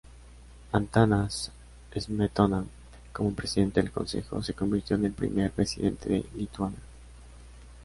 Antanas Smetona, como presidente del Consejo, se convirtió en el primer presidente de Lituania.